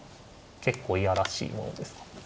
結構嫌らしいものですか。